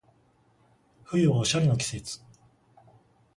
冬はおしゃれの季節